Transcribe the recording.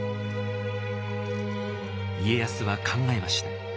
家康は考えました。